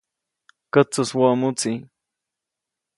Kätsujswoʼmuʼtsi.